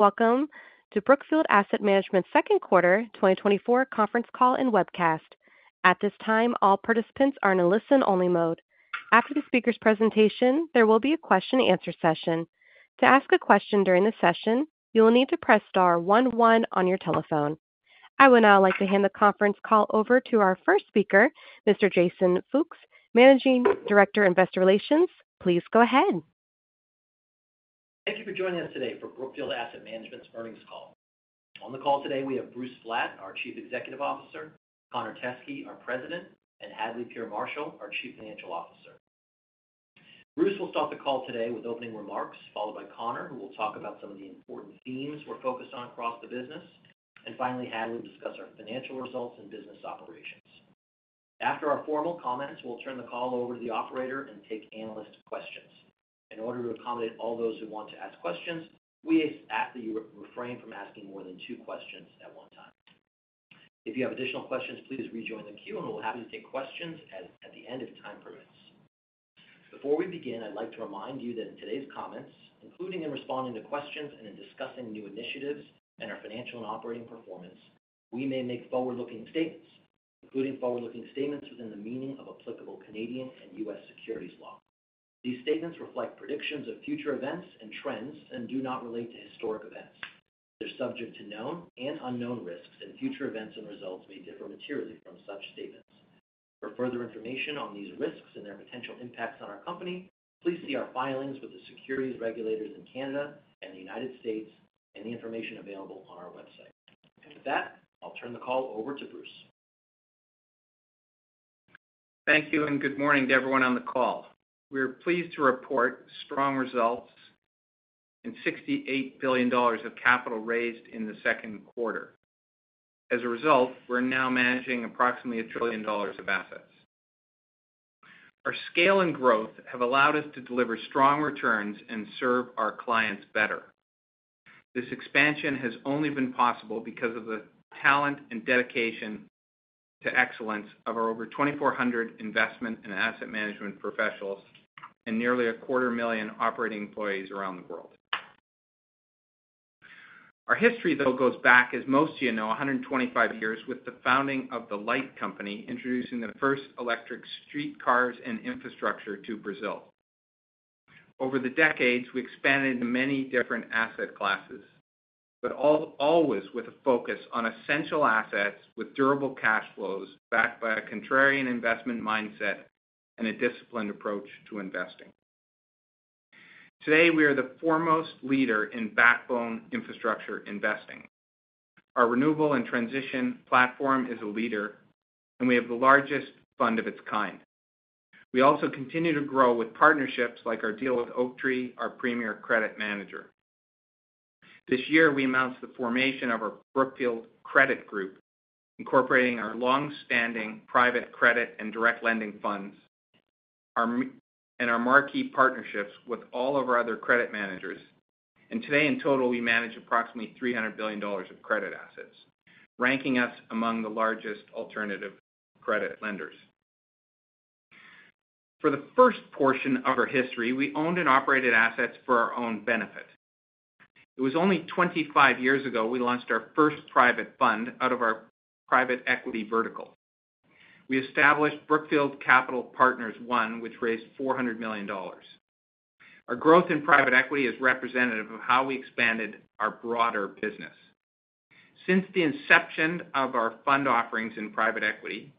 Welcome to Brookfield Asset Management's Q2 2024 conference call and webcast. At this time, all participants are in a listen-only mode. After the speaker's presentation, there will be a Q&A session. To ask a question during the session, you will need to press star one one on your telephone. I would now like to hand the conference call over to our first speaker, Mr. Jason Fuchs, Managing Director, Investor Relations. Please go ahead. Thank you for joining us today for Brookfield Asset Management's earnings call. On the call today, we have Bruce Flatt, our Chief Executive Officer, Connor Teskey, our President, and Hadley Peer Marshall, our Chief Financial Officer. Bruce will start the call today with opening remarks, followed by Connor, who will talk about some of the important themes we're focused on across the business, and finally, Hadley will discuss our financial results and business operations. After our formal comments, we'll turn the call over to the operator and take analyst questions. In order to accommodate all those who want to ask questions, we ask that you refrain from asking more than two questions at one time. If you have additional questions, please rejoin the queue, and we'll be happy to take questions at the end if time permits. Before we begin, I'd like to remind you that in today's comments, including in responding to questions and in discussing new initiatives and our financial and operating performance, we may make forward-looking statements, including forward-looking statements within the meaning of applicable Canadian and U.S. securities law. These statements reflect predictions of future events and trends and do not relate to historic events. They're subject to known and unknown risks, and future events and results may differ materially from such statements. For further information on these risks and their potential impacts on our company, please see our filings with the securities regulators in Canada and the United States, and the information available on our website. With that, I'll turn the call over to Bruce. Thank you, and good morning to everyone on the call. We are pleased to report strong results and $68 billion of capital raised in the Q2. As a result, we're now managing approximately $1 trillion of assets. Our scale and growth have allowed us to deliver strong returns and serve our clients better. This expansion has only been possible because of the talent and dedication to excellence of our over 2,400 investment and asset management professionals, and nearly 250,000 operating employees around the world. Our history, though, goes back, as most of you know, 125 years with the founding of The Light Company, introducing the first electric streetcars and infrastructure to Brazil. Over the decades, we expanded into many different asset classes, but always with a focus on essential assets with durable cash flows, backed by a contrarian investment mindset and a disciplined approach to investing. Today, we are the foremost leader in backbone infrastructure investing. Our renewable and transition platform is a leader, and we have the largest fund of its kind. We also continue to grow with partnerships like our deal with Oaktree, our premier credit manager. This year, we announced the formation of our Brookfield Credit Group, incorporating our long-standing private credit and direct lending funds, and our marquee partnerships with all of our other credit managers. And today, in total, we manage approximately $300 billion of credit assets, ranking us among the largest alternative credit lenders. For the first portion of our history, we owned and operated assets for our own benefit. It was only 25 years ago, we launched our first private fund out of our private equity vertical. We established Brookfield Capital Partners I, which raised $400 million. Our growth in private equity is representative of how we expanded our broader business. Since the inception of our fund offerings in private equity,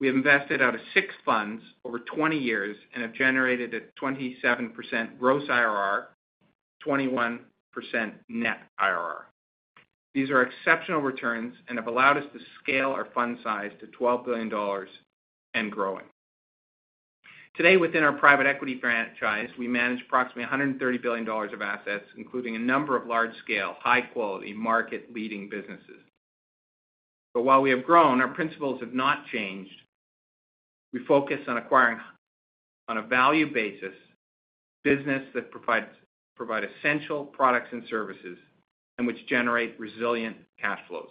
we invested out of 6 funds over 20 years and have generated a 27% gross IRR, 21% net IRR. These are exceptional returns and have allowed us to scale our fund size to $12 billion and growing. Today, within our private equity franchise, we manage approximately $130 billion of assets, including a number of large-scale, high-quality, market-leading businesses. But while we have grown, our principles have not changed. We focus on acquiring, on a value basis, business that provides, provide essential products and services and which generate resilient cash flows.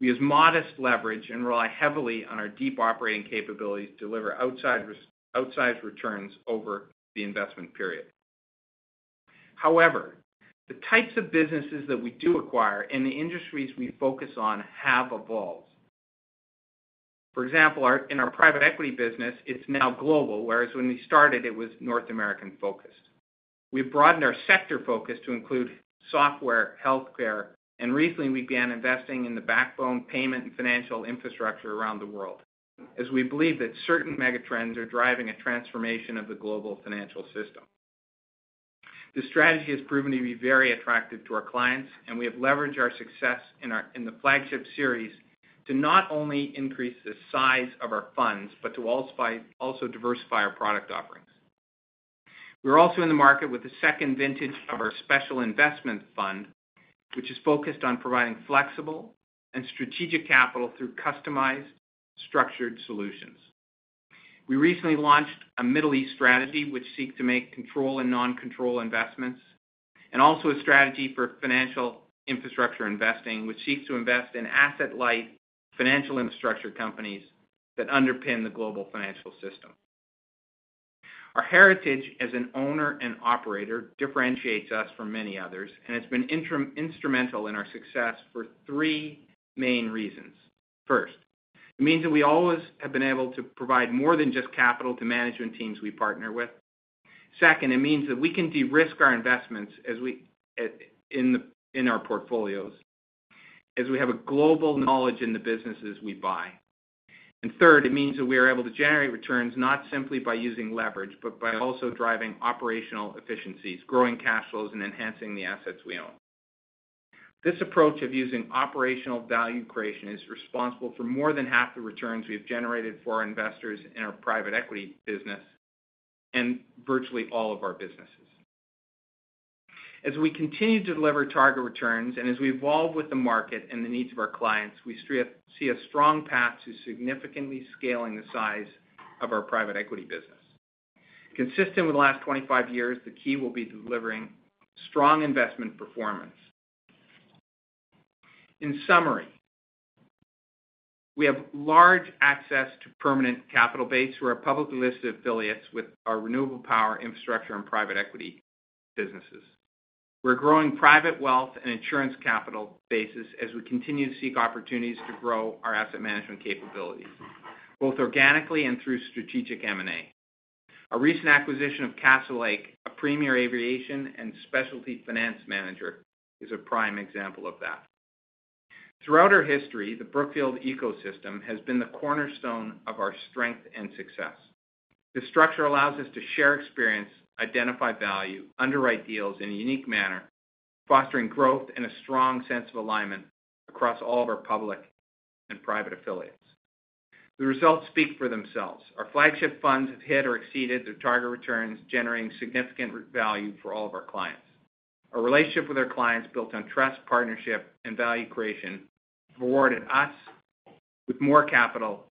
We use modest leverage and rely heavily on our deep operating capabilities to deliver outsized returns over the investment period. However, the types of businesses that we do acquire and the industries we focus on have evolved. For example, in our private equity business, it's now global, whereas when we started, it was North American-focused. We've broadened our sector focus to include software, healthcare, and recently, we began investing in the backbone payment and financial infrastructure around the world, as we believe that certain megatrends are driving a transformation of the global financial system. This strategy has proven to be very attractive to our clients, and we have leveraged our success in our in the flagship series to not only increase the size of our funds, but to also also diversify our product offerings. We're also in the market with the second vintage of our Special Investments Fund, which is focused on providing flexible and strategic capital through customized, structured solutions. We recently launched a Middle East strategy, which seeks to make control and non-control investments, and also a strategy for financial infrastructure investing, which seeks to invest in asset-light financial infrastructure companies that underpin the global financial system. Our heritage as an owner and operator differentiates us from many others, and has been instrumental in our success for three main reasons. First, it means that we always have been able to provide more than just capital to management teams we partner with. Second, it means that we can de-risk our investments as we, in our portfolios, as we have a global knowledge in the businesses we buy. And third, it means that we are able to generate returns not simply by using leverage, but by also driving operational efficiencies, growing cash flows, and enhancing the assets we own. This approach of using operational value creation is responsible for more than half the returns we have generated for our investors in our private equity business and virtually all of our businesses. As we continue to deliver target returns, and as we evolve with the market and the needs of our clients, we see a strong path to significantly scaling the size of our private equity business. Consistent with the last 25 years, the key will be delivering strong investment performance. In summary, we have large access to permanent capital base through our publicly listed affiliates with our renewable power, infrastructure, and private equity businesses. We're growing private wealth and insurance capital bases as we continue to seek opportunities to grow our asset management capabilities, both organically and through strategic M&A. Our recent acquisition of Castlelake, a premier aviation and specialty finance manager, is a prime example of that. Throughout our history, the Brookfield ecosystem has been the cornerstone of our strength and success. This structure allows us to share experience, identify value, underwrite deals in a unique manner, fostering growth and a strong sense of alignment across all of our public and private affiliates. The results speak for themselves. Our flagship funds have hit or exceeded their target returns, generating significant value for all of our clients. Our relationship with our clients, built on trust, partnership, and value creation, have rewarded us with more capital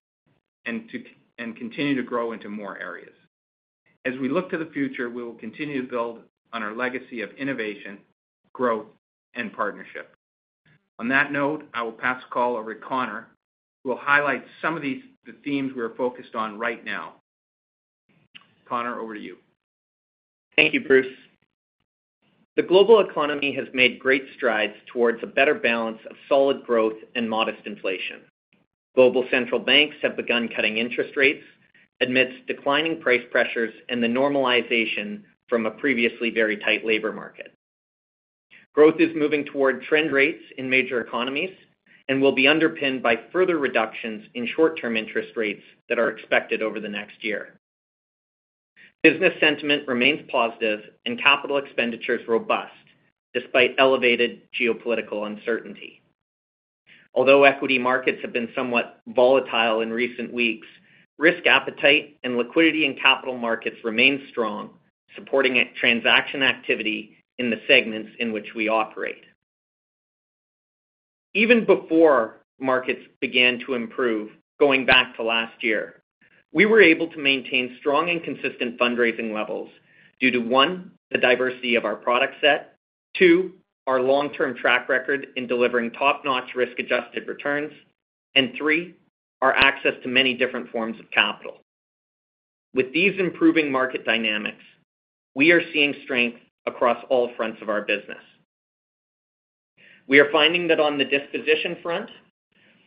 and continue to grow into more areas. As we look to the future, we will continue to build on our legacy of innovation, growth, and partnership. On that note, I will pass the call over to Connor, who will highlight some of these, the themes we are focused on right now. Connor, over to you. Thank you, Bruce. The global economy has made great strides toward a better balance of solid growth and modest inflation. Global central banks have begun cutting interest rates amidst declining price pressures and the normalization from a previously very tight labor market. Growth is moving toward trend rates in major economies and will be underpinned by further reductions in short-term interest rates that are expected over the next year. Business sentiment remains positive and capital expenditures robust, despite elevated geopolitical uncertainty. Although equity markets have been somewhat volatile in recent weeks, risk appetite and liquidity in capital markets remain strong, supporting a transaction activity in the segments in which we operate. Even before markets began to improve, going back to last year, we were able to maintain strong and consistent fundraising levels due to, one, the diversity of our product set, two, our long-term track record in delivering top-notch risk-adjusted returns, and three, our access to many different forms of capital. With these improving market dynamics, we are seeing strength across all fronts of our business. We are finding that on the disposition front,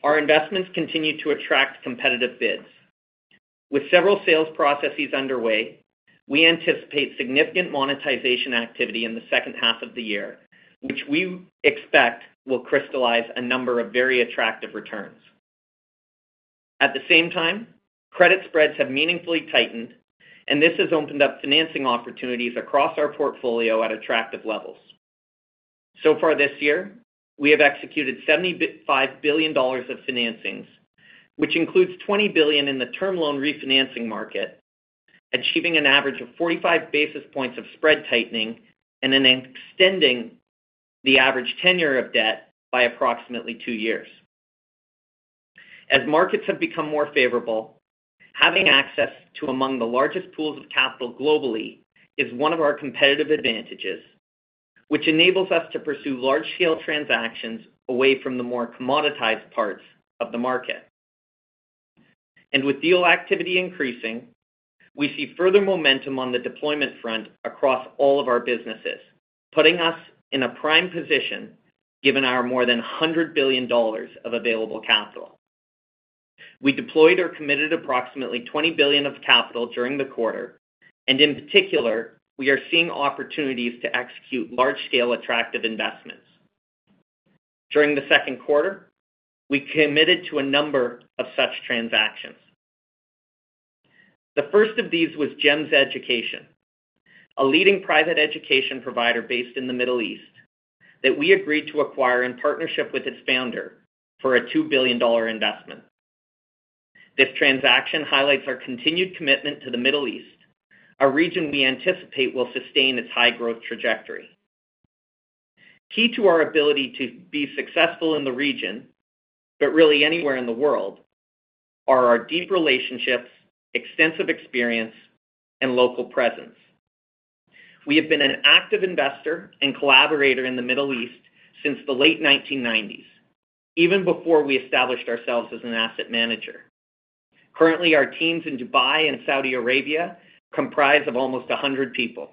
our investments continue to attract competitive bids. With several sales processes underway, we anticipate significant monetization activity in the second half of the year, which we expect will crystallize a number of very attractive returns. At the same time, credit spreads have meaningfully tightened, and this has opened up financing opportunities across our portfolio at attractive levels. So far this year, we have executed $75 billion of financings, which includes $20 billion in the term loan refinancing market, achieving an average of 45 basis points of spread tightening and then extending the average tenure of debt by approximately two years. As markets have become more favorable, having access to among the largest pools of capital globally is one of our competitive advantages, which enables us to pursue large-scale transactions away from the more commoditized parts of the market. With deal activity increasing, we see further momentum on the deployment front across all of our businesses, putting us in a prime position, given our more than $100 billion of available capital. We deployed or committed approximately $20 billion of capital during the quarter, and in particular, we are seeing opportunities to execute large-scale, attractive investments. During the Q2, we committed to a number of such transactions. The first of these was GEMS Education, a leading private education provider based in the Middle East, that we agreed to acquire in partnership with its founder for a $2 billion investment. This transaction highlights our continued commitment to the Middle East, a region we anticipate will sustain its high growth trajectory. Key to our ability to be successful in the region, but really anywhere in the world, are our deep relationships, extensive experience, and local presence. We have been an active investor and collaborator in the Middle East since the late 1990s, even before we established ourselves as an asset manager. Currently, our teams in Dubai and Saudi Arabia comprise of almost 100 people.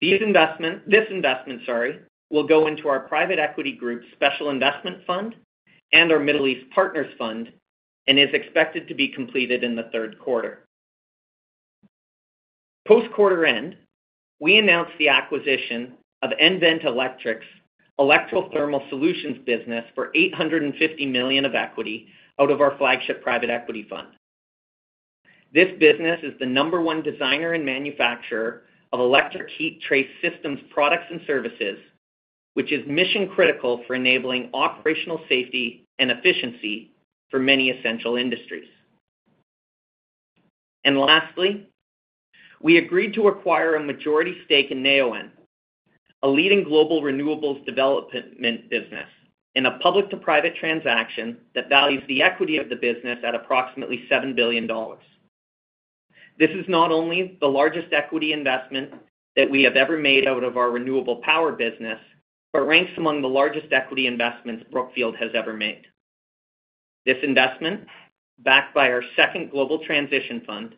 This investment, sorry, will go into our private equity group's Special Investments Fund and our Middle East Partners Fund, and is expected to be completed in the Q3. Post quarter-end, we announced the acquisition of nVent Electric's Electrothermal Solutions business for $850 million of equity out of our flagship private equity fund. This business is the number one designer and manufacturer of electric heat trace systems, products, and services, which is mission-critical for enabling operational safety and efficiency for many essential industries. And lastly, we agreed to acquire a majority stake in Neoen, a leading global renewables development business, in a public-to-private transaction that values the equity of the business at approximately $7 billion. This is not only the largest equity investment that we have ever made out of our renewable power business, but ranks among the largest equity investments Brookfield has ever made. This investment, backed by our second Global Transition Fund,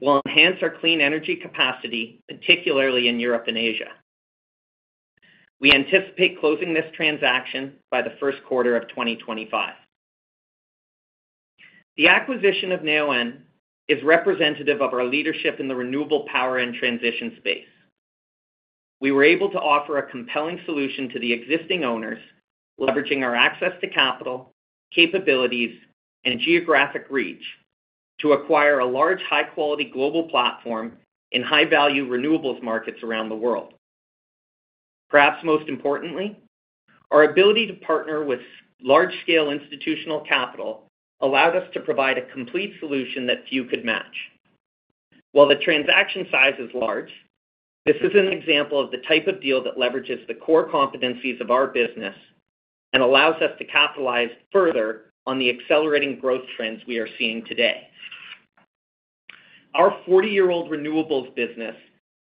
will enhance our clean energy capacity, particularly in Europe and Asia. We anticipate closing this transaction by the Q1 of 2025. The acquisition of Neoen is representative of our leadership in the renewable power and transition space. We were able to offer a compelling solution to the existing owners, leveraging our access to capital, capabilities, and geographic reach, to acquire a large, high-quality global platform in high-value renewables markets around the world. Perhaps most importantly, our ability to partner with large-scale institutional capital allowed us to provide a complete solution that few could match. While the transaction size is large, this is an example of the type of deal that leverages the core competencies of our business and allows us to capitalize further on the accelerating growth trends we are seeing today. Our 40-year-old renewables business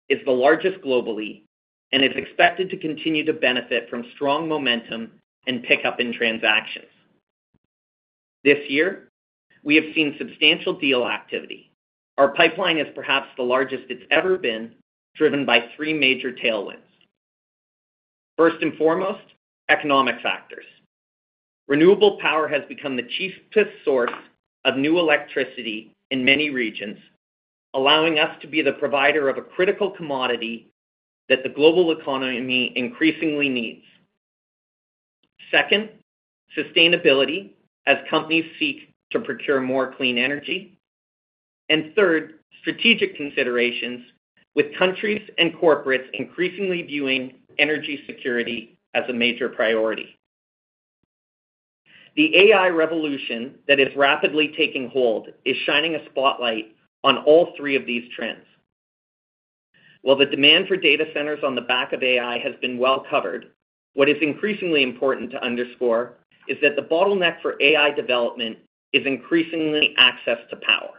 is the largest globally and is expected to continue to benefit from strong momentum and pickup in transactions. This year, we have seen substantial deal activity. Our pipeline is perhaps the largest it's ever been, driven by three major tailwinds. First and foremost, economic factors. Renewable power has become the cheapest source of new electricity in many regions, allowing us to be the provider of a critical commodity that the global economy increasingly needs. Second, sustainability, as companies seek to procure more clean energy. And third, strategic considerations, with countries and corporates increasingly viewing energy security as a major priority. The AI revolution that is rapidly taking hold is shining a spotlight on all three of these trends. While the demand for data centers on the back of AI has been well covered, what is increasingly important to underscore is that the bottleneck for AI development is increasingly access to power.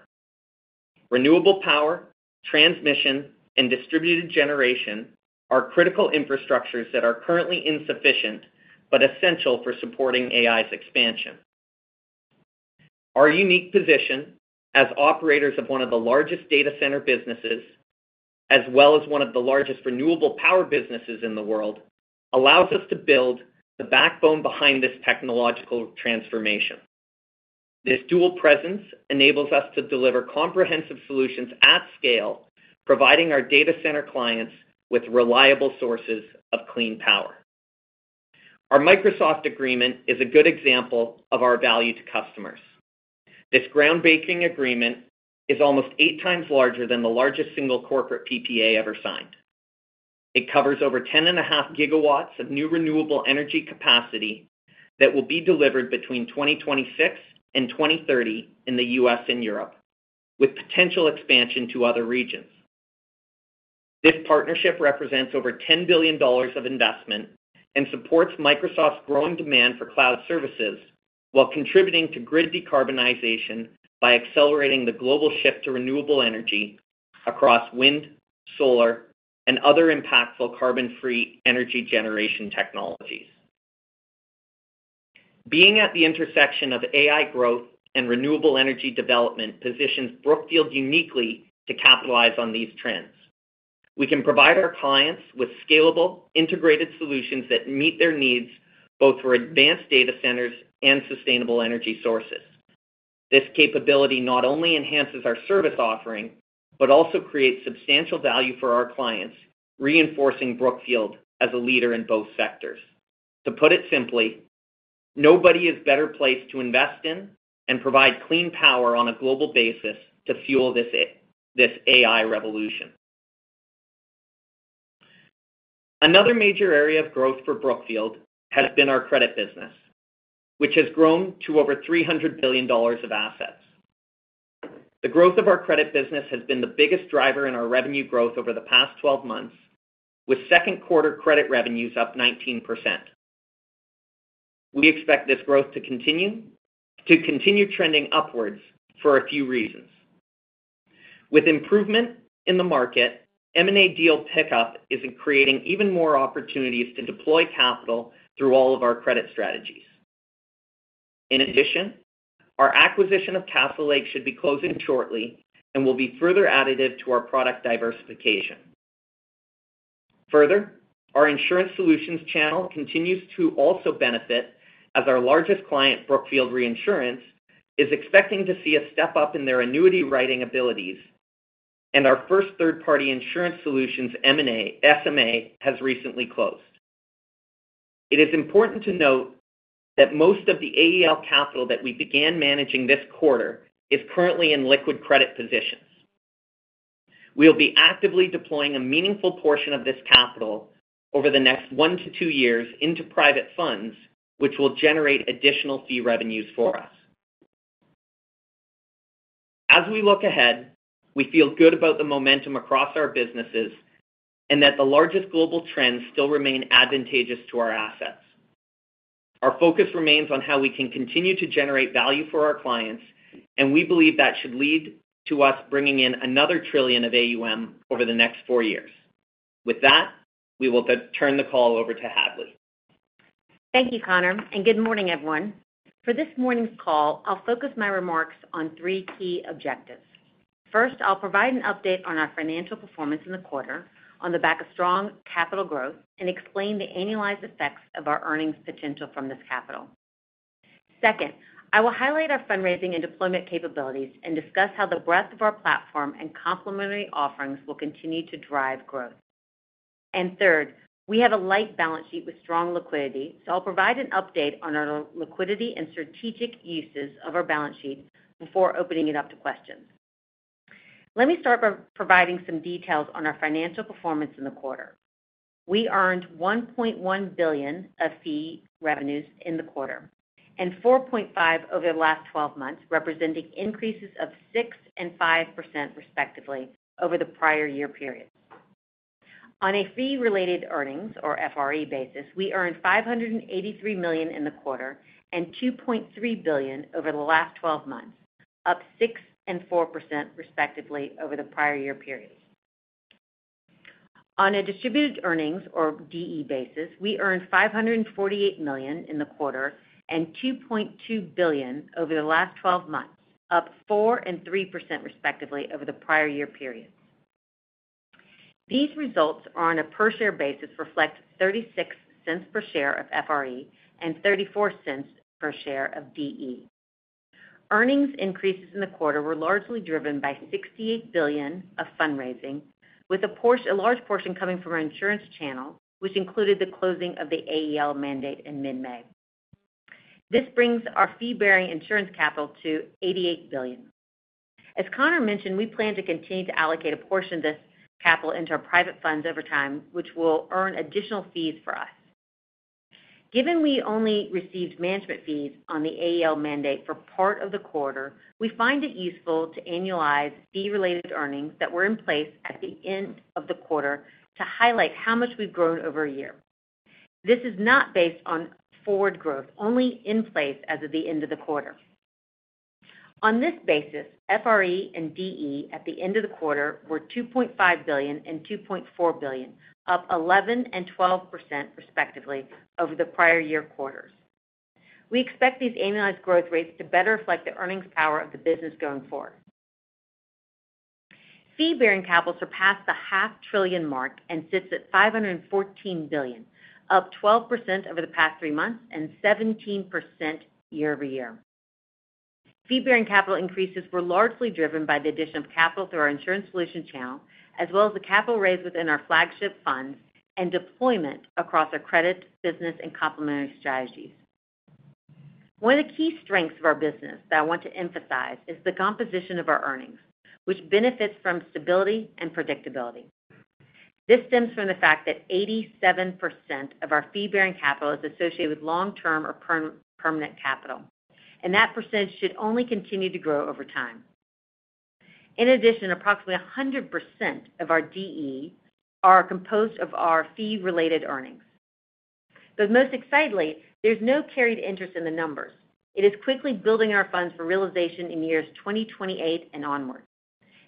Renewable power, transmission, and distributed generation are critical infrastructures that are currently insufficient, but essential for supporting AI's expansion. Our unique position as operators of one of the largest data center businesses, as well as one of the largest renewable power businesses in the world, allows us to build the backbone behind this technological transformation. This dual presence enables us to deliver comprehensive solutions at scale, providing our data center clients with reliable sources of clean power. Our Microsoft agreement is a good example of our value to customers. This groundbreaking agreement is almost eight times larger than the largest single corporate PPA ever signed. It covers over 10.5 GW of new renewable energy capacity that will be delivered between 2026 and 2030 in the U.S. and Europe, with potential expansion to other regions. This partnership represents over $10 billion of investment and supports Microsoft's growing demand for cloud services, while contributing to grid decarbonization by accelerating the global shift to renewable energy across wind, solar, and other impactful carbon-free energy generation technologies. Being at the intersection of AI growth and renewable energy development positions Brookfield uniquely to capitalize on these trends. We can provide our clients with scalable, integrated solutions that meet their needs, both for advanced data centers and sustainable energy sources. This capability not only enhances our service offering, but also creates substantial value for our clients, reinforcing Brookfield as a leader in both sectors. To put it simply, nobody is better placed to invest in and provide clean power on a global basis to fuel this AI revolution. Another major area of growth for Brookfield has been our credit business, which has grown to over $300 billion of assets. The growth of our credit business has been the biggest driver in our revenue growth over the past 12 months, with Q2 credit revenues up 19%. We expect this growth to continue trending upwards for a few reasons. With improvement in the market, M&A deal pickup is creating even more opportunities to deploy capital through all of our credit strategies. In addition, our acquisition of Castlelake should be closing shortly and will be further additive to our product diversification. Further, our insurance solutions channel continues to also benefit as our largest client, Brookfield Reinsurance, is expecting to see a step-up in their annuity writing abilities, and our first third-party insurance solutions SMA has recently closed. It is important to note that most of the AEL capital that we began managing this quarter is currently in liquid credit positions. We'll be actively deploying a meaningful portion of this capital over the next one-two years into private funds, which will generate additional fee revenues for us. As we look ahead, we feel good about the momentum across our businesses and that the largest global trends still remain advantageous to our assets. Our focus remains on how we can continue to generate value for our clients, and we believe that should lead to us bringing in another trillion of AUM over the next four years. With that, we will then turn the call over to Hadley. Thank you, Connor, and good morning, everyone. For this morning's call, I'll focus my remarks on three key objectives. First, I'll provide an update on our financial performance in the quarter on the back of strong capital growth and explain the annualized effects of our earnings potential from this capital. Second, I will highlight our fundraising and deployment capabilities and discuss how the breadth of our platform and complementary offerings will continue to drive growth. And third, we have a light balance sheet with strong liquidity, so I'll provide an update on our liquidity and strategic uses of our balance sheet before opening it up to questions. Let me start by providing some details on our financial performance in the quarter. We earned $1.1 billion of fee revenues in the quarter, and $4.5 billion over the last twelve months, representing increases of 6% and 5%, respectively, over the prior year period. On a fee-related earnings or FRE basis, we earned $583 million in the quarter and $2.3 billion over the last twelve months, up 6% and 4%, respectively, over the prior year period. On a distributed earnings or DE basis, we earned $548 million in the quarter and $2.2 billion over the last twelve months, up 4% and 3%, respectively, over the prior year period. These results are on a per-share basis, reflect $0.36 per share of FRE and $0.34 per share of DE. Earnings increases in the quarter were largely driven by $68 billion of fundraising, with a large portion coming from our insurance channel, which included the closing of the AEL mandate in mid-May. This brings our fee-bearing insurance capital to $88 billion. As Connor mentioned, we plan to continue to allocate a portion of this capital into our private funds over time, which will earn additional fees for us. Given we only received management fees on the AEL mandate for part of the quarter, we find it useful to annualize fee-related earnings that were in place at the end of the quarter to highlight how much we've grown over a year. This is not based on forward growth, only in place as of the end of the quarter. On this basis, FRE and DE at the end of the quarter were $2.5 billion and $2.4 billion, up 11% and 12%, respectively, over the prior year quarters. We expect these annualized growth rates to better reflect the earnings power of the business going forward. Fee-bearing capital surpassed the half-trillion mark and sits at $514 billion, up 12% over the past three months and 17% year-over-year. Fee-bearing capital increases were largely driven by the addition of capital through our insurance solution channel, as well as the capital raised within our flagship funds and deployment across our credit, business, and complementary strategies. One of the key strengths of our business that I want to emphasize is the composition of our earnings, which benefits from stability and predictability. This stems from the fact that 87% of our fee-bearing capital is associated with long-term or permanent capital, and that percentage should only continue to grow over time. In addition, approximately 100% of our DE are composed of our fee-related earnings. But most excitedly, there's no carried interest in the numbers. It is quickly building our funds for realization in years 2028 and onwards.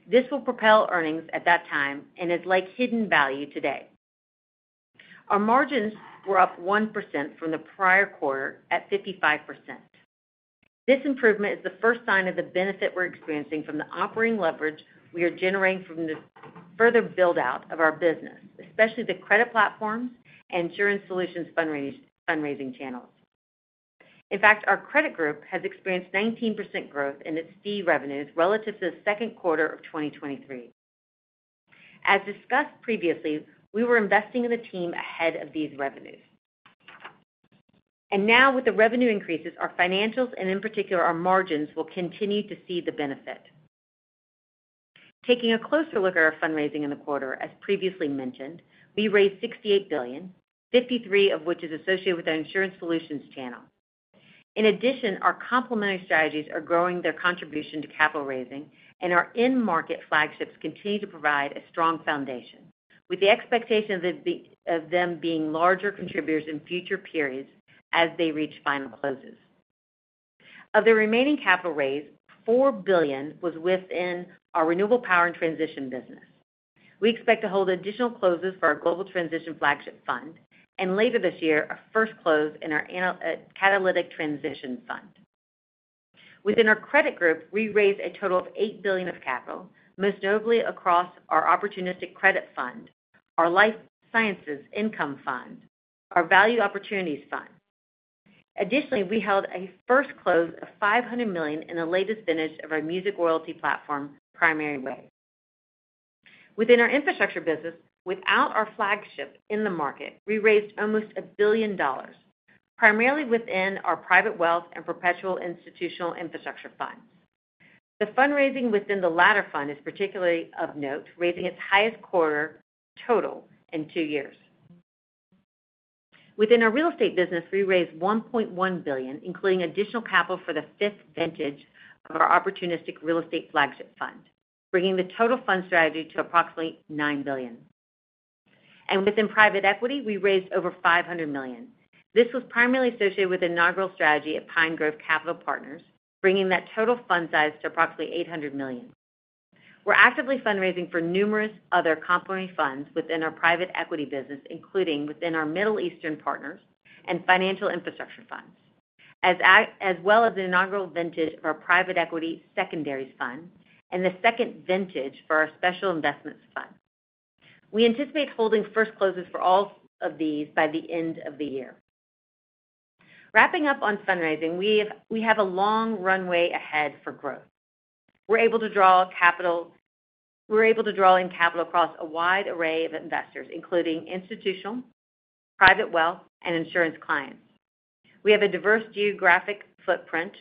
This will propel earnings at that time and is like hidden value today. Our margins were up 1% from the prior quarter at 55%. This improvement is the first sign of the benefit we're experiencing from the operating leverage we are generating from the further build-out of our business, especially the credit platform and insurance solutions fundraising channels. In fact, our credit group has experienced 19% growth in its fee revenues relative to the Q2 of 2023. As discussed previously, we were investing in the team ahead of these revenues. And now, with the revenue increases, our financials, and in particular, our margins, will continue to see the benefit. Taking a closer look at our fundraising in the quarter, as previously mentioned, we raised $68 billion, $53 billion of which is associated with our insurance solutions channel. In addition, our complementary strategies are growing their contribution to capital raising, and our end market flagships continue to provide a strong foundation, with the expectation that of them being larger contributors in future periods as they reach final closes. Of the remaining capital raise, $4 billion was within our renewable power and transition business. We expect to hold additional closes for our Global Transition Flagship Fund, and later this year, our first close in our Catalytic Transition Fund. Within our credit group, we raised a total of $8 billion of capital, most notably across our Opportunistic Credit Fund, our Life Sciences Income Fund, our Value Opportunities Fund. Additionally, we held a first close of $500 million in the latest vintage of our Music Royalty platform, Primary Wave. Within our infrastructure business, without our flagship in the market, we raised almost $1 billion, primarily within our private wealth and perpetual institutional infrastructure funds. The fundraising within the latter fund is particularly of note, raising its highest quarter total in two years. Within our real estate business, we raised $1.1 billion, including additional capital for the fifth vintage of our Opportunistic Real Estate Flagship Fund, bringing the total fund strategy to approximately $9 billion. Within private equity, we raised over $500 million. This was primarily associated with the inaugural strategy of Pinegrove Capital Partners, bringing that total fund size to approximately $800 million. We're actively fundraising for numerous other complementary funds within our private equity business, including within our Middle East Partners and financial infrastructure funds, as well as the inaugural vintage of our private equity secondaries fund and the second vintage for our Special Investments Fund. We anticipate holding first closes for all of these by the end of the year. Wrapping up on fundraising, we have a long runway ahead for growth. We're able to draw in capital across a wide array of investors, including institutional, private wealth, and insurance clients. We have a diverse geographic footprint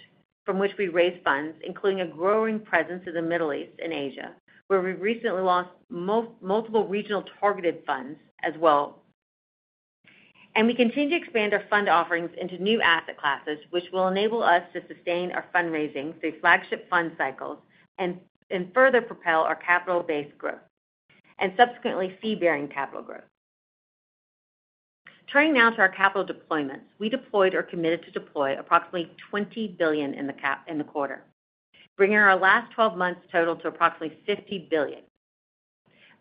from which we raise funds, including a growing presence in the Middle East and Asia, where we've recently launched multiple regional targeted funds as well. And we continue to expand our fund offerings into new asset classes, which will enable us to sustain our fundraising through flagship fund cycles and further propel our capital-based growth and subsequently, fee-bearing capital growth. Turning now to our capital deployments. We deployed or committed to deploy approximately $20 billion in the quarter, bringing our last 12 months total to approximately $50 billion.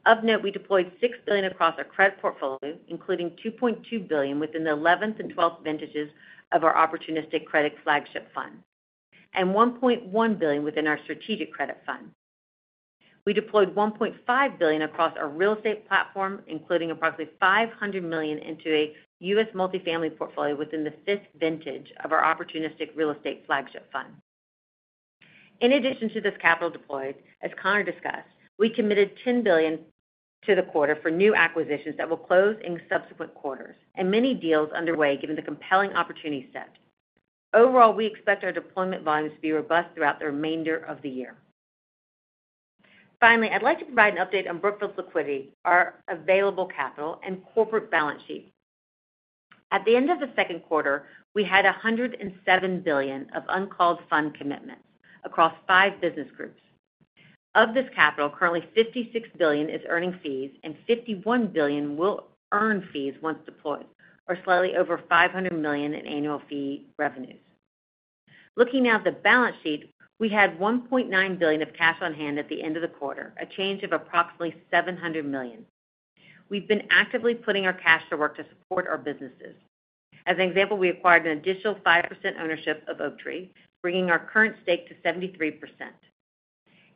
Of note, we deployed $6 billion across our credit portfolio, including $2.2 billion within the 11th and 12th vintages of our Opportunistic Credit Flagship Fund, and $1.1 billion within our Strategic Credit Fund. We deployed $1.5 billion across our real estate platform, including approximately $500 million into a U.S. multifamily portfolio within the fifth vintage of our Opportunistic Real Estate Flagship Fund. In addition to this capital deployed, as Connor discussed, we committed $10 billion to the quarter for new acquisitions that will close in subsequent quarters, and many deals underway given the compelling opportunity set. Overall, we expect our deployment volumes to be robust throughout the remainder of the year. Finally, I'd like to provide an update on Brookfield's liquidity, our available capital, and corporate balance sheet. At the end of the Q2, we had $107 billion of uncalled fund commitments across five business groups. Of this capital, currently $56 billion is earning fees, and $51 billion will earn fees once deployed, or slightly over $500 million in annual fee revenues. Looking now at the balance sheet, we had $1.9 billion of cash on hand at the end of the quarter, a change of approximately $700 million. We've been actively putting our cash to work to support our businesses. As an example, we acquired an additional 5% ownership of Oaktree, bringing our current stake to 73%.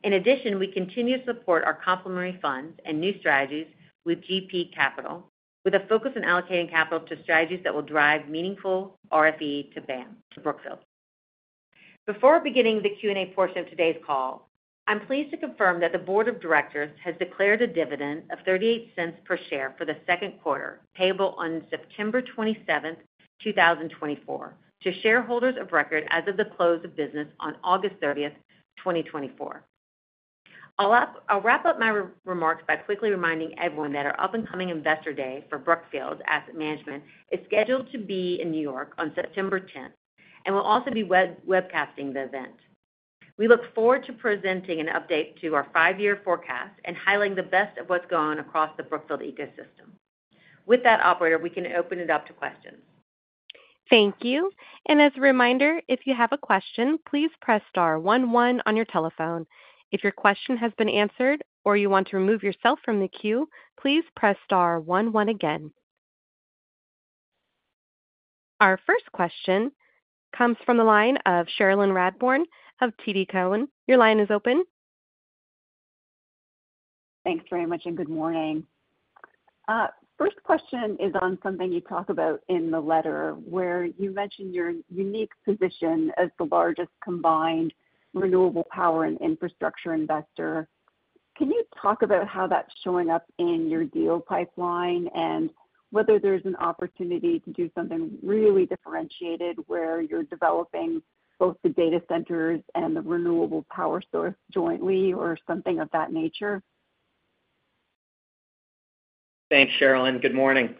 In addition, we continue to support our complementary funds and new strategies with GP capital, with a focus on allocating capital to strategies that will drive meaningful FRE to BAM, to Brookfield. Before beginning the Q&A portion of today's call, I'm pleased to confirm that the board of directors has declared a dividend of $0.38 per share for the Q2, payable on September 27, 2024, to shareholders of record as of the close of business on August 30, 2024. I'll wrap up my remarks by quickly reminding everyone that our up-and-coming Investor Day for Brookfield Asset Management is scheduled to be in New York on September 10, and we'll also be webcasting the event. We look forward to presenting an update to our five-year forecast and highlighting the best of what's gone across the Brookfield ecosystem. With that, operator, we can open it up to questions. Thank you. As a reminder, if you have a question, please press star one one on your telephone. If your question has been answered or you want to remove yourself from the queue, please press star one one again. Our first question comes from the line of Cherilyn Radbourne of TD Cowen. Your line is open. Thanks very much, and good morning. First question is on something you talk about in the letter, where you mentioned your unique position as the largest combined renewable power and infrastructure investor. Can you talk about how that's showing up in your deal pipeline, and whether there's an opportunity to do something really differentiated where you're developing both the data centers and the renewable power source jointly, or something of that nature? Thanks, Cheryl, and good morning.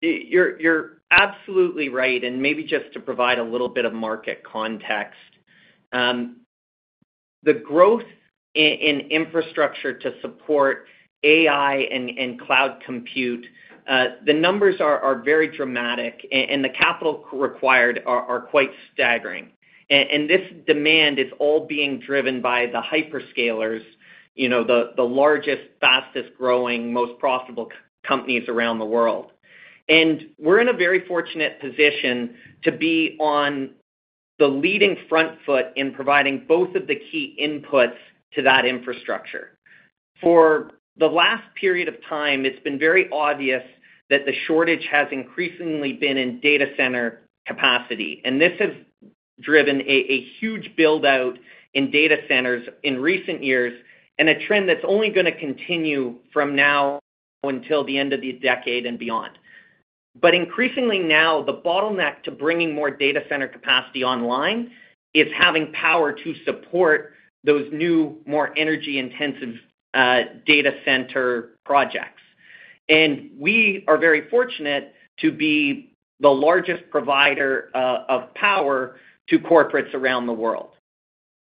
You're absolutely right, and maybe just to provide a little bit of market context. The growth in infrastructure to support AI and cloud compute, the numbers are very dramatic and the capital required are quite staggering. And this demand is all being driven by the hyperscalers, you know, the largest, fastest-growing, most profitable companies around the world. And we're in a very fortunate position to be on the leading front foot in providing both of the key inputs to that infrastructure. For the last period of time, it's been very obvious that the shortage has increasingly been in data center capacity, and this has driven a huge build-out in data centers in recent years, and a trend that's only going to continue from now until the end of the decade and beyond. But increasingly now, the bottleneck to bringing more data center capacity online is having power to support those new, more energy-intensive data center projects. And we are very fortunate to be the largest provider of power to corporates around the world.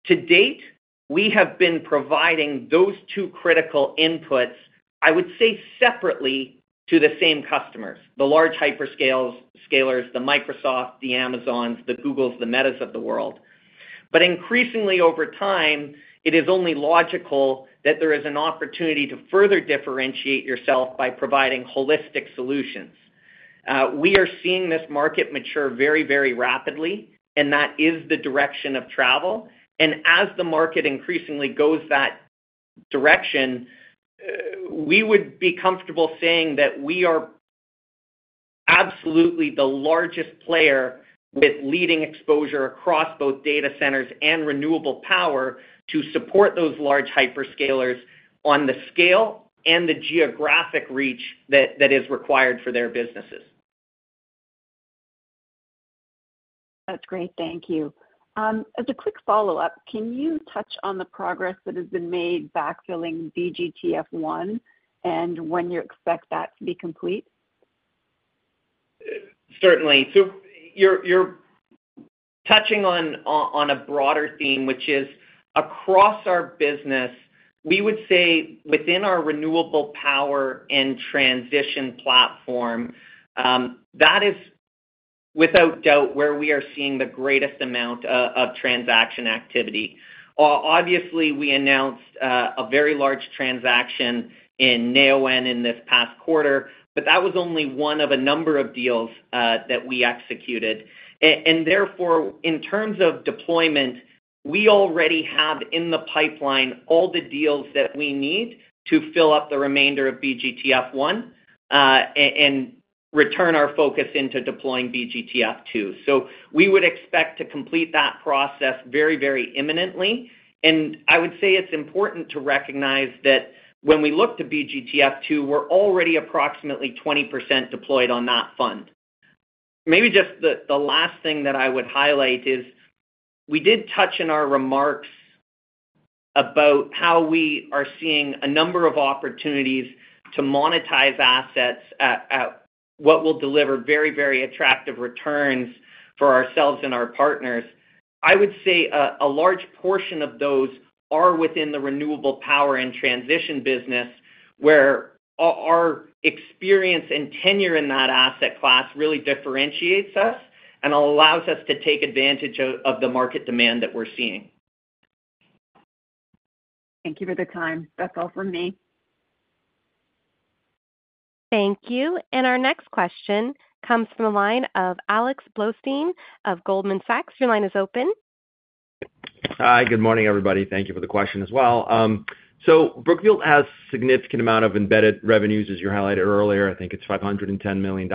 To date, we have been providing those two critical inputs, I would say, separately to the same customers, the large hyperscalers, the Microsoft, the Amazon, the Google, the Meta of the world. But increasingly, over time, it is only logical that there is an opportunity to further differentiate yourself by providing holistic solutions. We are seeing this market mature very rapidly, and that is the direction of travel. As the market increasingly goes that direction, we would be comfortable saying that we are absolutely the largest player with leading exposure across both data centers and renewable power to support those large hyperscalers on the scale and the geographic reach that is required for their businesses. That's great. Thank you. As a quick follow-up, can you touch on the progress that has been made backfilling BGTF I and when you expect that to be complete? Certainly. So you're touching on a broader theme, which is across our business, we would say within our renewable power and transition platform, that is, without doubt, where we are seeing the greatest amount of transaction activity. Obviously, we announced a very large transaction in Neoen in this past quarter, but that was only one of a number of deals that we executed. And therefore, in terms of deployment, we already have in the pipeline all the deals that we need to fill up the remainder of BGTF I, and return our focus into deploying BGTF II. So we would expect to complete that process very imminently. And I would say it's important to recognize that when we look to BGTF II, we're already approximately 20% deployed on that fund. Maybe just the last thing that I would highlight is, we did touch in our remarks about how we are seeing a number of opportunities to monetize assets at what will deliver very, very attractive returns for ourselves and our partners. I would say a large portion of those are within the renewable power and transition business, where our experience and tenure in that asset class really differentiates us and allows us to take advantage of the market demand that we're seeing. Thank you for the time. That's all from me. Thank you. Our next question comes from the line of Alex Blostein of Goldman Sachs. Your line is open. Hi, good morning, everybody. Thank you for the question as well. So Brookfield has significant amount of embedded revenues, as you highlighted earlier. I think it's $510 million,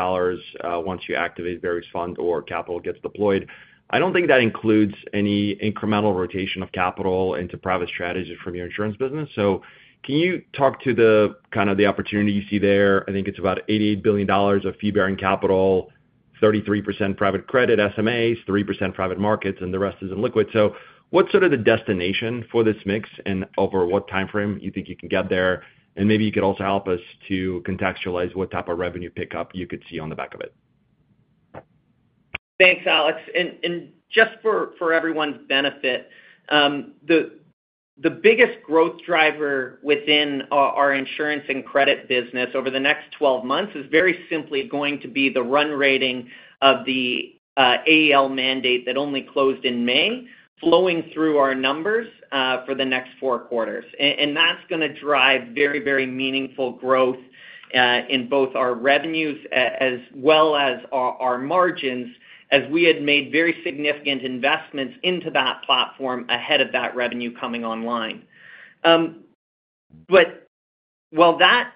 once you activate various fund or capital gets deployed. I don't think that includes any incremental rotation of capital into private strategies from your insurance business. So can you talk to the, kind of the opportunity you see there? I think it's about $88 billion of fee-bearing capital, 33% private credit SMAs, 3% private markets, and the rest is in liquid. So what's sort of the destination for this mix, and over what timeframe you think you can get there? And maybe you could also help us to contextualize what type of revenue pickup you could see on the back of it. Thanks, Alex. And just for everyone's benefit, the biggest growth driver within our insurance and credit business over the next 12 months is very simply going to be the run rating of the AEL mandate that only closed in May, flowing through our numbers for the next four quarters. And that's going to drive very meaningful growth in both our revenues as well as our margins, as we had made very significant investments into that platform ahead of that revenue coming online. But while that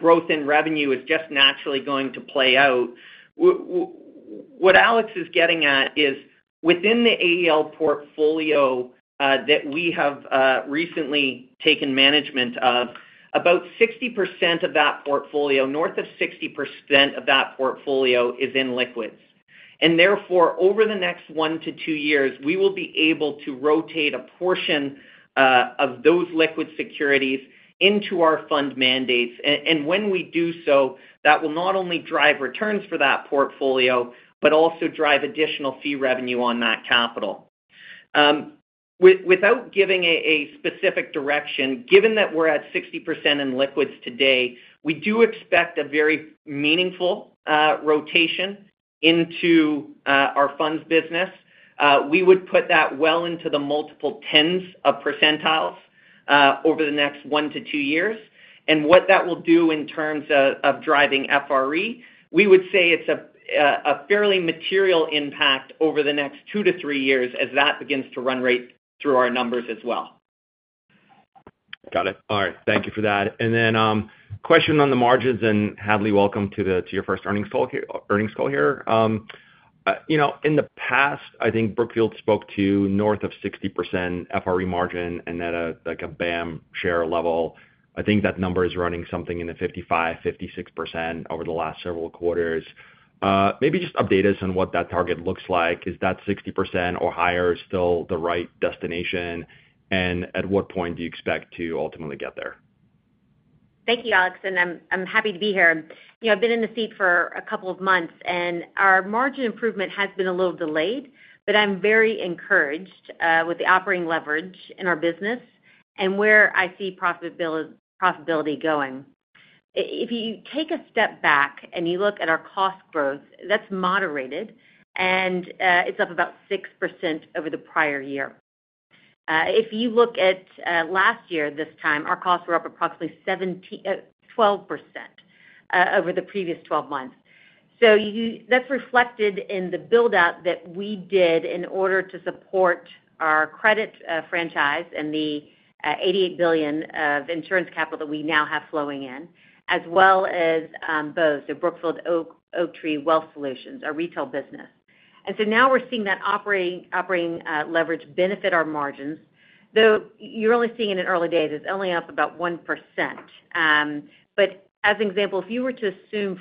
growth in revenue is just naturally going to play out, what Alex is getting at is within the AEL portfolio that we have recently taken management of, about 60% of that portfolio, north of 60% of that portfolio is in liquids. And therefore, over the next one-two years, we will be able to rotate a portion of those liquid securities into our fund mandates. And when we do so, that will not only drive returns for that portfolio, but also drive additional fee revenue on that capital. Without giving a specific direction, given that we're at 60% in liquids today, we do expect a very meaningful rotation into our funds business. We would put that well into the multiple tens of percentiles over the next one-two years. And what that will do in terms of driving FRE, we would say it's a fairly material impact over the next two-three years as that begins to run rate through our numbers as well. Got it. All right, thank you for that. And then, question on the margins, and Hadley, welcome to your first earnings call here. You know, in the past, I think Brookfield spoke to north of 60% FRE margin and at a, like, a BAM share level. I think that number is running something in the 55%-56% over the last several quarters. Maybe just update us on what that target looks like. Is that 60% or higher still the right destination? And at what point do you expect to ultimately get there? Thank you, Alex, and I'm happy to be here. You know, I've been in the seat for a couple of months, and our margin improvement has been a little delayed, but I'm very encouraged with the operating leverage in our business and where I see profitability going. If you take a step back and you look at our cost growth, that's moderated, and it's up about 6% over the prior year. If you look at last year, this time, our costs were up approximately 12% over the previous twelve months. That's reflected in the build-out that we did in order to support our credit franchise and the $88 billion of insurance capital we now have flowing in, as well as both the Brookfield Oaktree Wealth Solutions, our retail business. And so now we're seeing that operating leverage benefit our margins, though you're only seeing it in early days, it's only up about 1%. But as an example, if you were to assume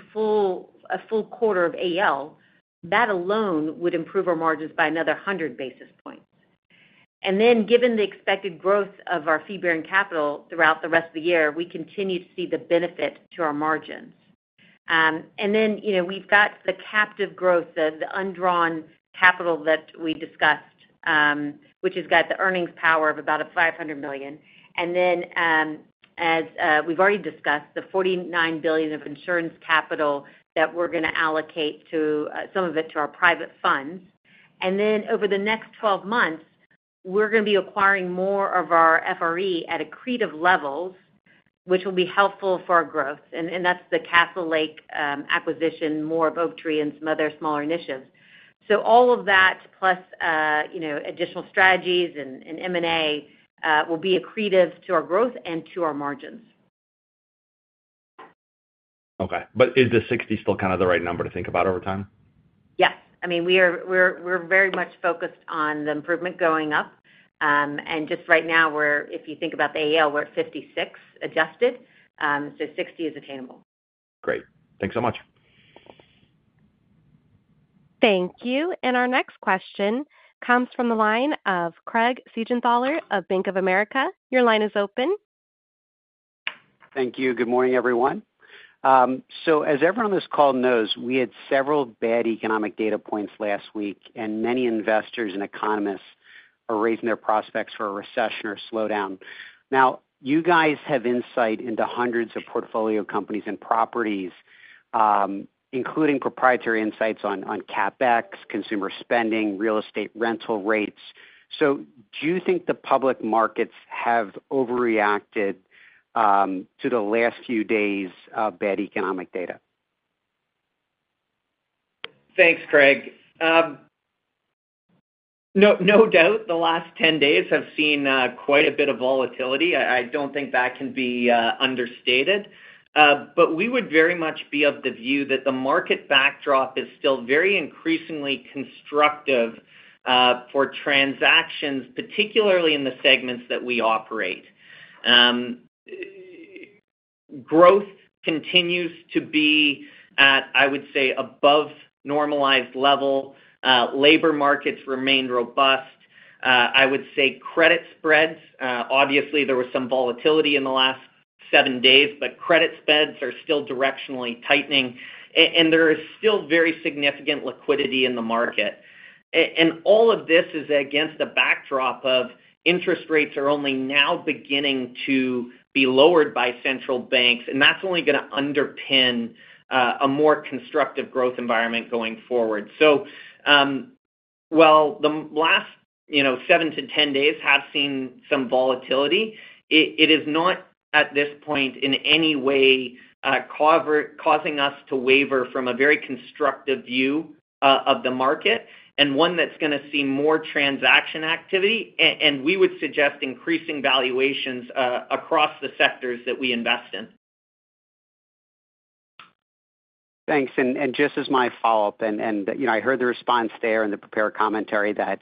a full quarter of AEL, that alone would improve our margins by another 100 basis points. And then, given the expected growth of our fee-bearing capital throughout the rest of the year, we continue to see the benefit to our margins. And then, you know, we've got the captive growth, the undrawn capital that we discussed, which has got the earnings power of about $500 million. And then, as we've already discussed, the $49 billion of insurance capital that we're gonna allocate to, some of it, to our private funds. And then over the next 12 months, we're gonna be acquiring more of our FRE at accretive levels, which will be helpful for our growth, and that's the Castlelake acquisition, more of Oaktree and some other smaller initiatives. So all of that, plus, you know, additional strategies and M&A, will be accretive to our growth and to our margins. Okay. But is the 60 still kind of the right number to think about over time? Yes. I mean, we're very much focused on the improvement going up. And just right now, we're – if you think about the AEL, we're at 56, adjusted, so 60 is attainable. Great. Thanks so much. Thank you. And our next question comes from the line of Craig Siegenthaler of Bank of America. Your line is open. Thank you. Good morning, everyone. So as everyone on this call knows, we had several bad economic data points last week, and many investors and economists are raising their prospects for a recession or slowdown. Now, you guys have insight into hundreds of portfolio companies and properties, including proprietary insights on CapEx, consumer spending, real estate rental rates. So do you think the public markets have overreacted to the last few days of bad economic data? Thanks, Craig. No, doubt, the last 10 days have seen quite a bit of volatility. I, I don't think that can be understated. But we would very much be of the view that the market backdrop is still very increasingly constructive for transactions, particularly in the segments that we operate. Growth continues to be at, I would say, above normalized level. Labor markets remain robust. I would say credit spreads, obviously, there was some volatility in the last seven days, but credit spreads are still directionally tightening, and there is still very significant liquidity in the market. And all of this is against the backdrop of interest rates are only now beginning to be lowered by central banks, and that's only gonna underpin a more constructive growth environment going forward. So, while the last, you know, 7-10 days have seen some volatility, it is not, at this point, in any way, causing us to waver from a very constructive view of the market, and one that's gonna see more transaction activity, and we would suggest increasing valuations across the sectors that we invest in. Thanks. And just as my follow-up, you know, I heard the response there and the prepared commentary that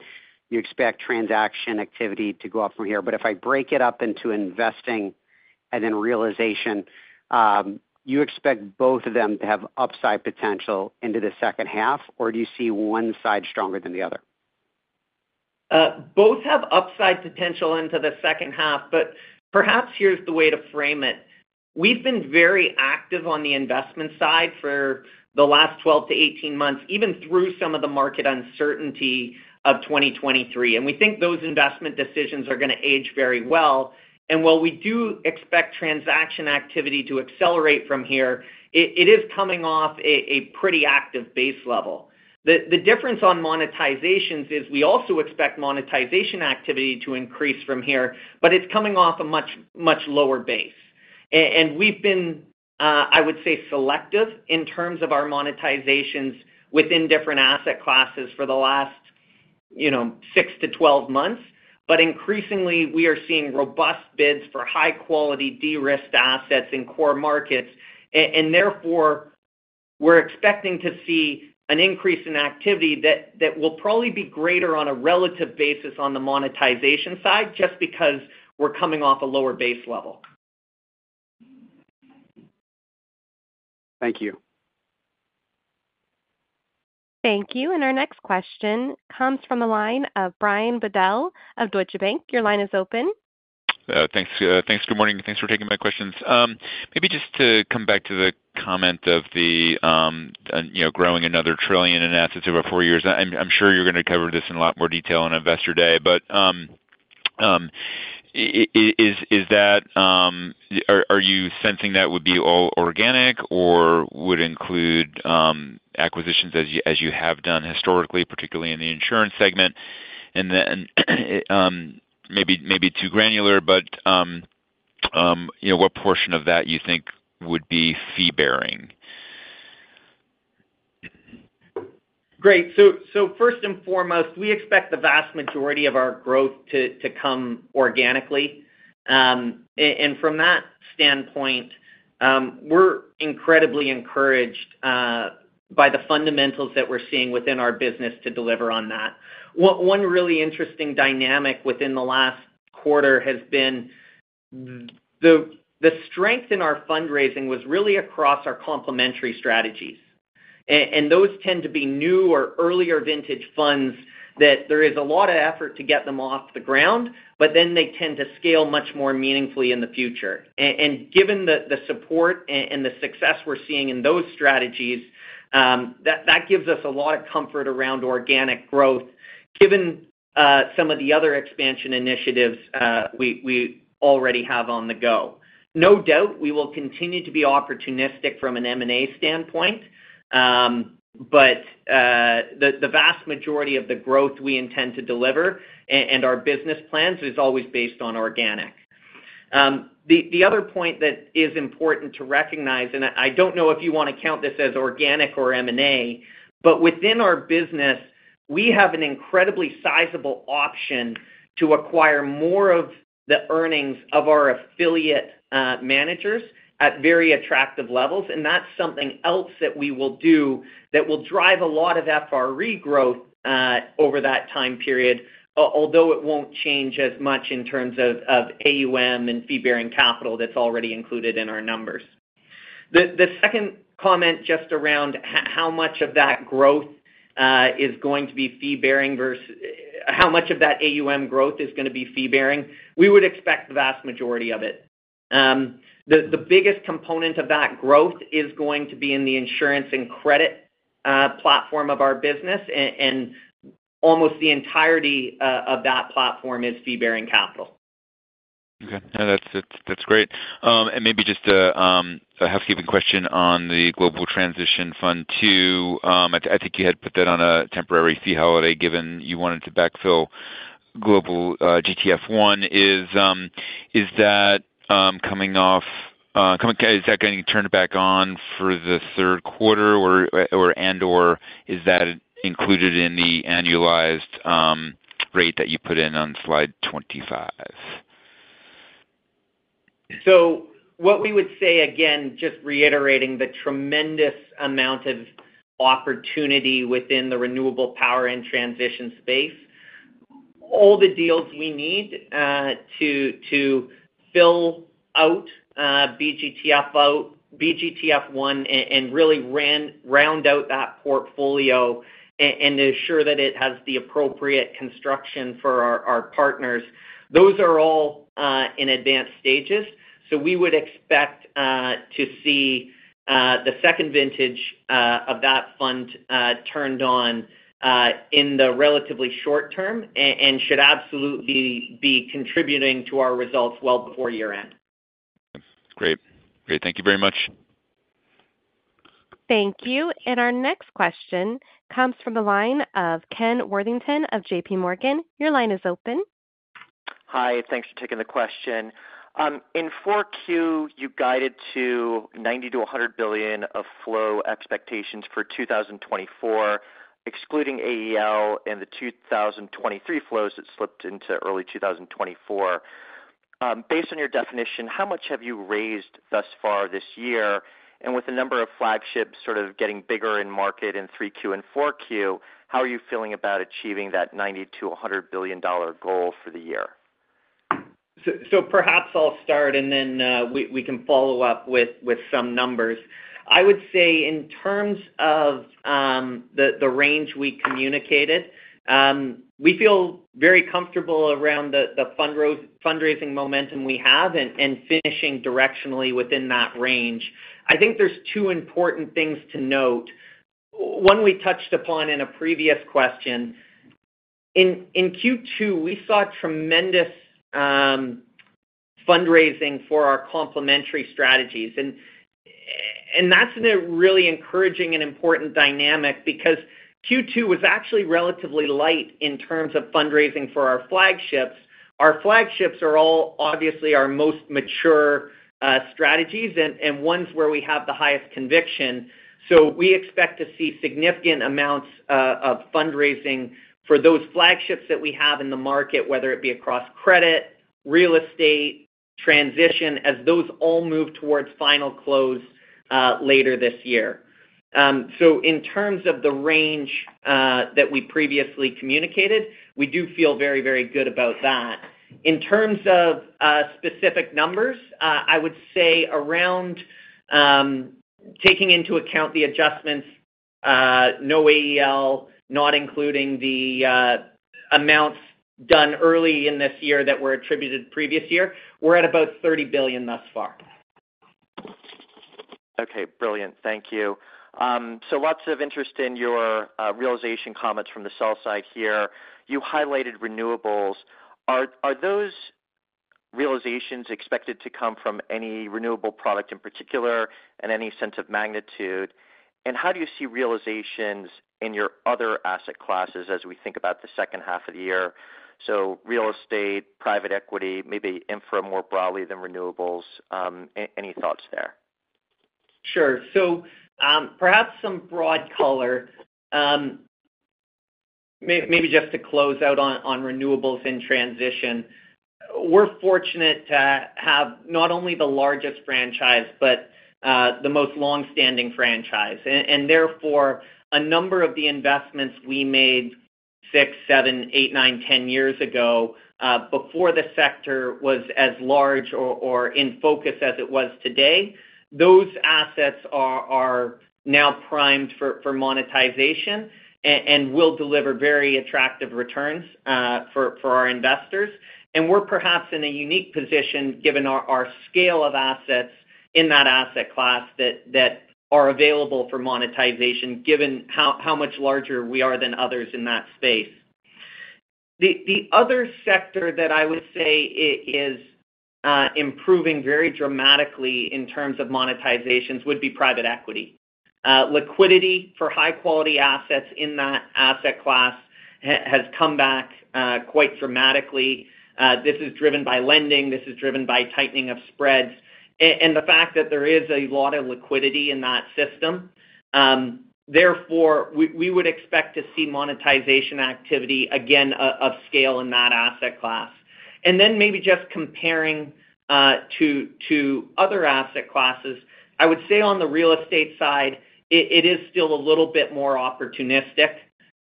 you expect transaction activity to go up from here. But if I break it up into investing and then realization, you expect both of them to have upside potential into the second half? Or do you see one side stronger than the other? Both have upside potential into the second half, but perhaps here's the way to frame it. We've been very active on the investment side for the last 12-18 months, even through some of the market uncertainty of 2023, and we think those investment decisions are gonna age very well. And while we do expect transaction activity to accelerate from here, it, it is coming off a, a pretty active base level. The, the difference on monetizations is we also expect monetization activity to increase from here, but it's coming off a much, much lower base. And we've been, I would say, selective in terms of our monetizations within different asset classes for the last, you know, 6-12 months. But increasingly, we are seeing robust bids for high-quality, de-risked assets in core markets. And therefore, we're expecting to see an increase in activity that will probably be greater on a relative basis on the monetization side, just because we're coming off a lower base level. Thank you. Thank you. And our next question comes from the line of Brian Bedell of Deutsche Bank. Your line is open. Thanks. Good morning, and thanks for taking my questions. Maybe just to come back to the comment of the, you know, growing another trillion in assets over four years. I'm sure you're gonna cover this in a lot more detail on Investor Day, but, is that... Are you sensing that would be all organic or would include acquisitions as you have done historically, particularly in the insurance segment? And then, maybe too granular, but, you know, what portion of that you think would be fee-bearing? Great. So first and foremost, we expect the vast majority of our growth to come organically. And from that standpoint, we're incredibly encouraged by the fundamentals that we're seeing within our business to deliver on that. One really interesting dynamic within the last quarter has been the strength in our fundraising was really across our complementary strategies. And those tend to be new or earlier vintage funds, that there is a lot of effort to get them off the ground, but then they tend to scale much more meaningfully in the future. And given the support and the success we're seeing in those strategies, that gives us a lot of comfort around organic growth, given some of the other expansion initiatives we already have on the go. No doubt, we will continue to be opportunistic from an M&A standpoint, but the vast majority of the growth we intend to deliver and our business plans is always based on organic. The other point that is important to recognize, and I don't know if you wanna count this as organic or M&A, but within our business, we have an incredibly sizable option to acquire more of the earnings of our affiliate managers at very attractive levels. And that's something else that we will do that will drive a lot of FRR growth over that time period, although it won't change as much in terms of AUM and fee-bearing capital that's already included in our numbers. The second comment just around how much of that growth is going to be fee-bearing versus how much of that AUM growth is gonna be fee-bearing? We would expect the vast majority of it. The biggest component of that growth is going to be in the insurance and credit platform of our business, and almost the entirety of that platform is fee-bearing capital. Okay. No, that's great. And maybe just a housekeeping question on the Global Transition Fund II. I think you had put that on a temporary fee holiday, given you wanted to backfill global GTF-1. Is that coming off. Is that getting turned back on for the Q3, or, and/or is that included in the annualized rate that you put in on slide 25? So what we would say, again, just reiterating the tremendous amount of opportunity within the renewable power and transition space, all the deals we need to fill out BGTF out, BGTF I, and really round out that portfolio and ensure that it has the appropriate construction for our partners, those are all in advanced stages. So we would expect to see the second vintage of that fund turned on in the relatively short term, and should absolutely be contributing to our results well before year-end. Great, thank you very much. Thank you. Our next question comes from the line of Ken Worthington of J.P. Morgan. Your line is open. Hi, thanks for taking the question. In Q4, you guided to $90 billion-$100 billion of flow expectations for 2024, excluding AEL and the 2023 flows that slipped into early 2024. Based on your definition, how much have you raised thus far this year? And with the number of flagships sort of getting bigger in market in Q3 and Q4, how are you feeling about achieving that $90-$100 billion goal for the year? So perhaps I'll start, and then we can follow up with some numbers. I would say in terms of the range we communicated, we feel very comfortable around the fund fundraising momentum we have and finishing directionally within that range. I think there's two important things to note. One, we touched upon in a previous question. In Q2, we saw tremendous fundraising for our complementary strategies, and that's a really encouraging and important dynamic because Q2 was actually relatively light in terms of fundraising for our flagships. Our flagships are all obviously our most mature strategies and ones where we have the highest conviction. So we expect to see significant amounts of fundraising for those flagships that we have in the market, whether it be across credit, real estate, transition, as those all move towards final close later this year. So in terms of the range that we previously communicated, we do feel very good about that. In terms of specific numbers, I would say around, taking into account the adjustments, no AEL, not including the amounts done early in this year that were attributed previous year, we're at about $30 billion thus far. Okay, brilliant. Thank you. So lots of interest in your realization comments from the sell side here. You highlighted renewables. Are those realizations expected to come from any renewable product in particular, and any sense of magnitude? And how do you see realizations in your other asset classes as we think about the second half of the year? So real estate, private equity, maybe infra more broadly than renewables, any thoughts there? Sure. So, perhaps some broad color. Maybe just to close out on renewables in transition. We're fortunate to have not only the largest franchise, but the most long-standing franchise. And therefore, a number of the investments we made six, seven, eight, nine, 10 years ago, before the sector was as large or in focus as it was today, those assets are now primed for monetization and will deliver very attractive returns for our investors. And we're perhaps in a unique position, given our scale of assets in that asset class that are available for monetization, given how much larger we are than others in that space. The other sector that I would say is improving very dramatically in terms of monetizations would be private equity. Liquidity for high-quality assets in that asset class has come back quite dramatically. This is driven by lending, this is driven by tightening of spreads, and the fact that there is a lot of liquidity in that system. Therefore, we would expect to see monetization activity again of scale in that asset class. And then maybe just comparing to other asset classes, I would say on the real estate side, it is still a little bit more opportunistic.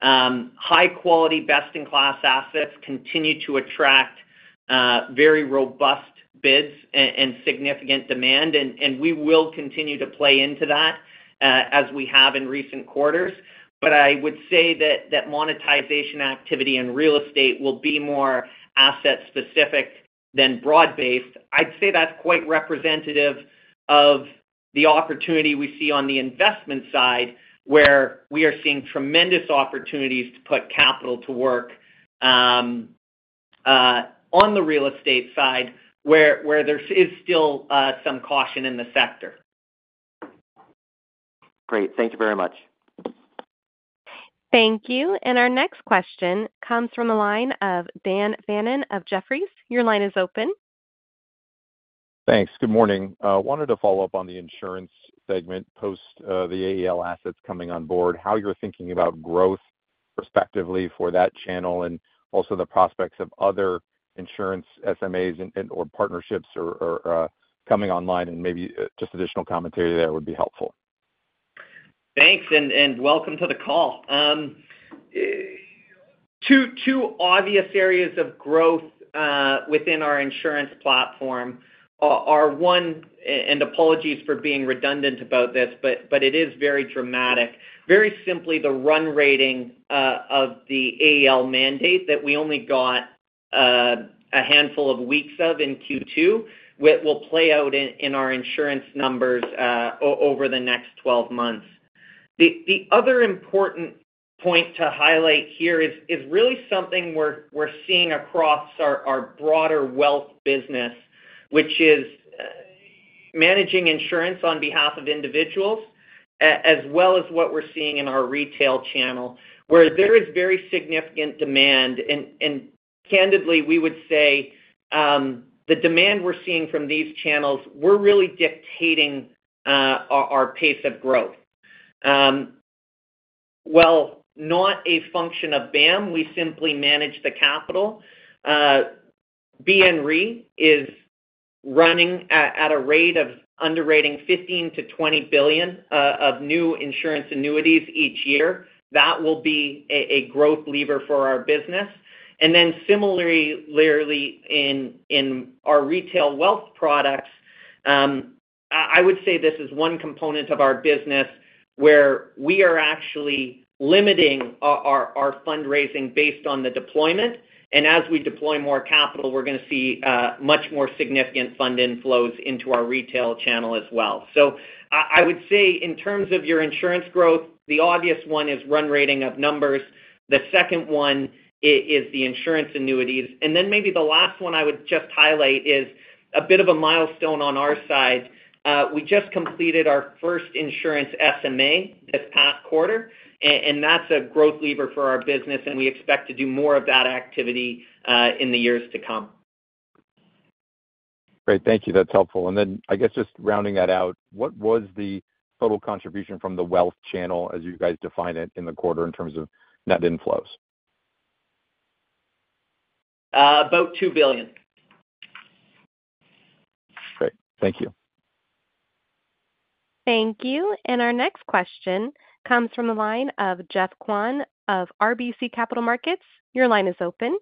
High-quality, best-in-class assets continue to attract very robust bids and significant demand, and we will continue to play into that as we have in recent quarters. But I would say that monetization activity in real estate will be more asset specific than broad-based. I'd say that's quite representative of the opportunity we see on the investment side, where we are seeing tremendous opportunities to put capital to work on the real estate side, where there's still some caution in the sector. Great. Thank you very much. Thank you. And our next question comes from the line of Dan Fannon of Jefferies. Your line is open. Thanks. Good morning. Wanted to follow up on the insurance segment, post the AEL assets coming on board, how you're thinking about growth respectively for that channel, and also the prospects of other insurance SMAs and, or partnerships or coming online, and maybe just additional commentary there would be helpful. Thanks, and welcome to the call. Two obvious areas of growth within our insurance platform are one—and apologies for being redundant about this, but it is very dramatic. Very simply, the run rate of the AEL mandate that we only got a handful of weeks of in Q2 will play out in our insurance numbers over the next 12 months. The other important point to highlight here is really something we're seeing across our broader wealth business, which is managing insurance on behalf of individuals as well as what we're seeing in our retail channel, where there is very significant demand. And candidly, we would say the demand we're seeing from these channels were really dictating our pace of growth. While not a function of BAM, we simply manage the capital. BNRE is running at a rate of underwriting $15 billion-$20 billion of new insurance annuities each year. That will be a growth lever for our business. And then similarly, literally in our retail wealth products, I would say this is one component of our business where we are actually limiting our fundraising based on the deployment, and as we deploy more capital, we're gonna see much more significant fund inflows into our retail channel as well. So I would say in terms of your insurance growth, the obvious one is run rating of numbers. The second one is the insurance annuities. And then maybe the last one I would just highlight is a bit of a milestone on our side. We just completed our first insurance SMA this past quarter, and that's a growth lever for our business, and we expect to do more of that activity in the years to come. Great. Thank you. That's helpful. And then I guess just rounding that out, what was the total contribution from the wealth channel as you guys define it in the quarter in terms of net inflows? About $2 billion. Great. Thank you. Thank you. Our next question comes from the line of Geoffrey Kwan of RBC Capital Markets. Your line is open.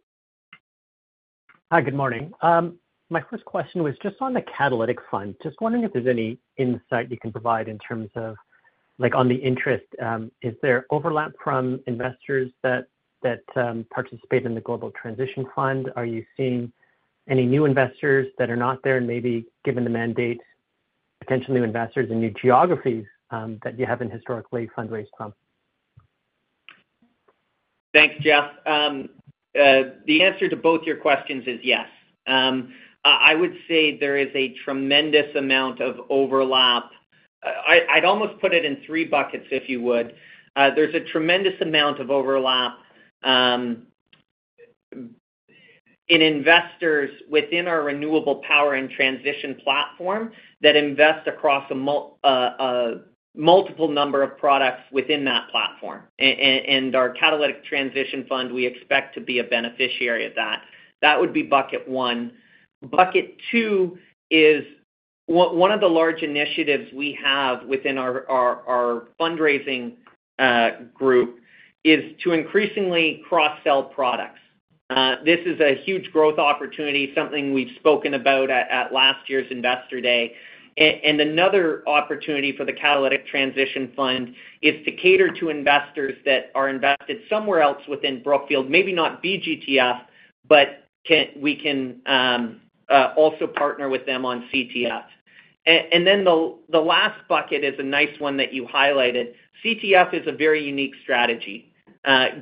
Hi, good morning. My first question was just on the catalytic fund. Just wondering if there's any insight you can provide in terms of like on the interest. Is there overlap from investors that participate in the Global Transition Fund? Are you seeing any new investors that are not there and maybe given the mandate, potential new investors and new geographies that you haven't historically fundraised from? Thanks, Geoff. The answer to both your questions is yes. I would say there is a tremendous amount of overlap. I'd almost put it in three buckets, if you would. There's a tremendous amount of overlap in investors within our renewable power and transition platform that invest across a multiple number of products within that platform. And our Catalytic Transition Fund, we expect to be a beneficiary of that. That would be bucket one. Bucket two is one of the large initiatives we have within our fundraising group, is to increasingly cross-sell products. This is a huge growth opportunity, something we've spoken about at last year's Investor Day. And another opportunity for the Catalytic Transition Fund is to cater to investors that are invested somewhere else within Brookfield, maybe not BGTF, but we can also partner with them on CTF. And then the last bucket is a nice one that you highlighted. CTF is a very unique strategy.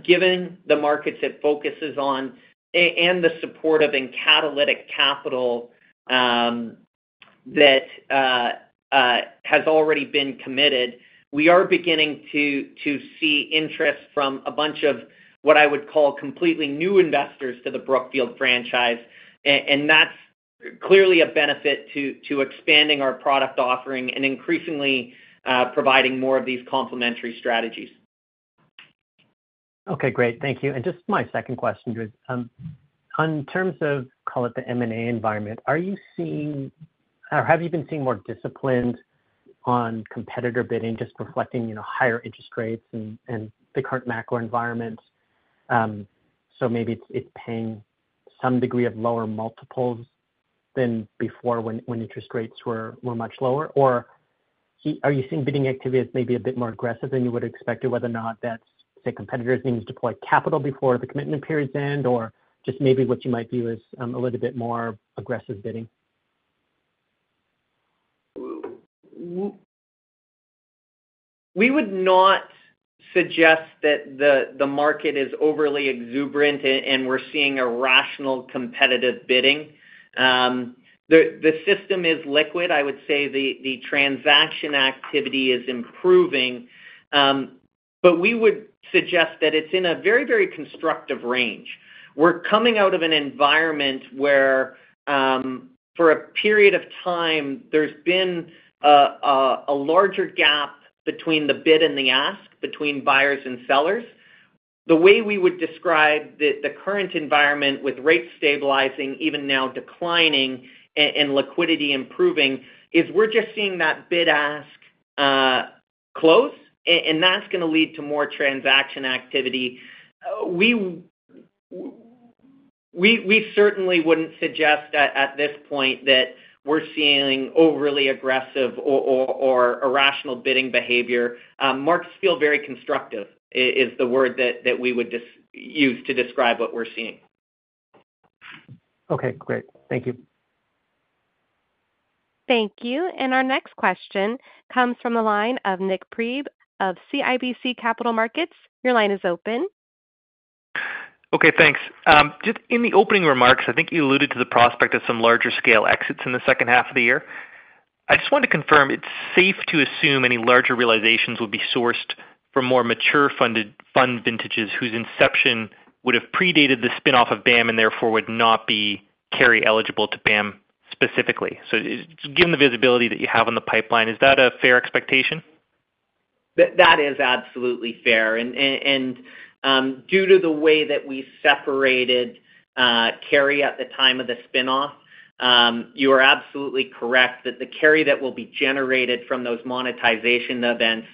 Given the markets it focuses on, and the support of catalytic capital that has already been committed, we are beginning to see interest from a bunch of what I would call completely new investors to the Brookfield franchise. And that's clearly a benefit to expanding our product offering and increasingly providing more of these complementary strategies. Okay, great. Thank you. And just my second question is, in terms of, call it the M&A environment, are you seeing or have you been seeing more discipline on competitor bidding, just reflecting, you know, higher interest rates and the current macro environment? So maybe it's paying some degree of lower multiples than before when interest rates were much lower? Or are you seeing bidding activity as maybe a bit more aggressive than you would expect it, whether or not that's, say, competitors needing to deploy capital before the commitment periods end, or just maybe what you might view as, a little bit more aggressive bidding? We would not suggest that the market is overly exuberant, and we're seeing a rational, competitive bidding. The system is liquid. I would say the transaction activity is improving, but we would suggest that it's in a very, very constructive range. We're coming out of an environment where, for a period of time, there's been a larger gap between the bid and the ask between buyers and sellers. The way we would describe the current environment with rates stabilizing, even now declining and liquidity improving, is we're just seeing that bid-ask close, and that's gonna lead to more transaction activity. We certainly wouldn't suggest that at this point, that we're seeing overly aggressive or irrational bidding behavior. Markets feel very constructive. "Is" is the word that we would just use to describe what we're seeing. Okay, great. Thank you. Thank you. Our next question comes from a line of Nik Priebe of CIBC Capital Markets. Your line is open. Okay, thanks. Just in the opening remarks, I think you alluded to the prospect of some larger scale exits in the second half of the year. I just wanted to confirm, it's safe to assume any larger realizations will be sourced from more mature fund vintages whose inception would have predated the spin-off of BAM, and therefore would not be carry eligible to BAM specifically. So, given the visibility that you have on the pipeline, is that a fair expectation? That is absolutely fair. And, due to the way that we separated carry at the time of the spin-off, you are absolutely correct that the carry that will be generated from those monetization events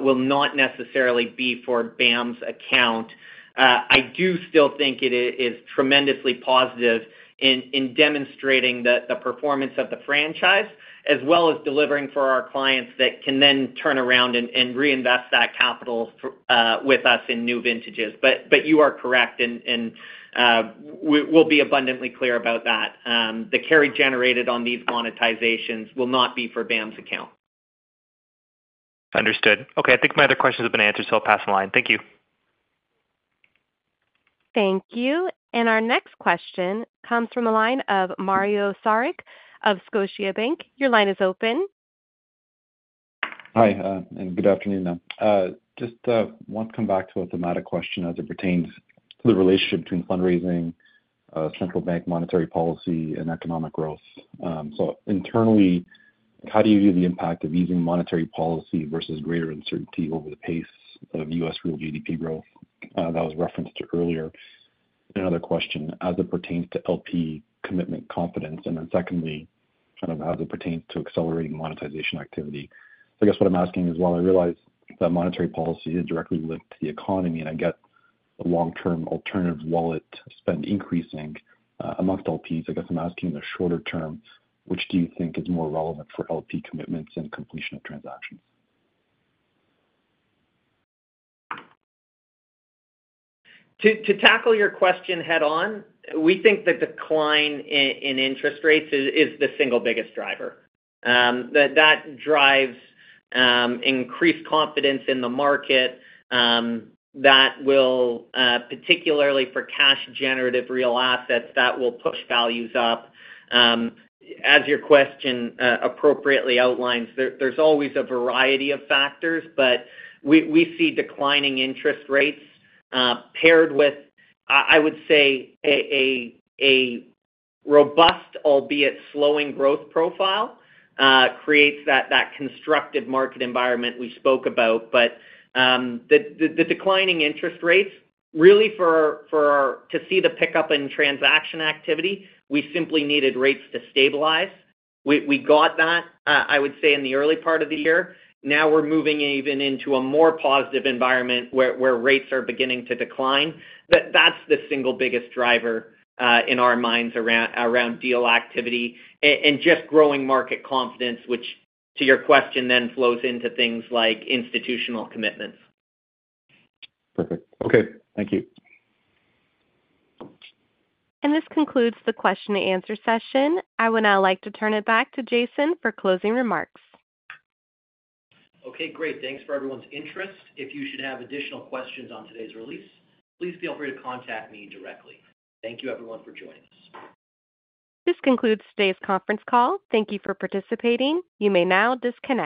will not necessarily be for BAM's account. I do still think it is tremendously positive in demonstrating the performance of the franchise, as well as delivering for our clients that can then turn around and reinvest that capital for, with us in new vintages. But you are correct, and we'll be abundantly clear about that. The carry generated on these monetizations will not be for BAM's account. Understood. Okay, I think my other questions have been answered, so I'll pass the line. Thank you. Thank you. And our next question comes from the line of Mario Saric of Scotiabank. Your line is open. Hi, and good afternoon. Just want to come back to a thematic question as it pertains to the relationship between fundraising, central bank monetary policy, and economic growth. So internally, how do you view the impact of easing monetary policy versus greater uncertainty over the pace of U.S. real GDP growth, that was referenced earlier in another question, as it pertains to LP commitment confidence? And then secondly, kind of as it pertains to accelerating monetization activity. I guess what I'm asking is, while I realize that monetary policy is directly linked to the economy, and I get the long-term alternative wallet spend increasing, among LPs, I guess I'm asking in the shorter term, which do you think is more relevant for LP commitments and completion of transactions? To tackle your question head-on, we think the decline in interest rates is the single biggest driver. That drives increased confidence in the market that will, particularly for cash generative real assets, push values up. As your question appropriately outlines, there's always a variety of factors, but we see declining interest rates paired with, I would say, a robust, albeit slowing growth profile, creates that constructive market environment we spoke about. But the declining interest rates, really for. To see the pickup in transaction activity, we simply needed rates to stabilize. We got that, I would say, in the early part of the year. Now we're moving even into a more positive environment where rates are beginning to decline. That, the single biggest driver in our minds around deal activity and just growing market confidence, which to your question then flows into things like institutional commitments. Perfect. Okay. Thank you. This concludes the Q&A session. I would now like to turn it back to Jason for closing remarks. Okay, great. Thanks for everyone's interest. If you should have additional questions on today's release, please feel free to contact me directly. Thank you, everyone, for joining us. This concludes today's conference call. Thank you for participating. You may now disconnect.